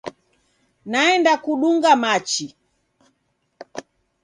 Naenda kudunga machi.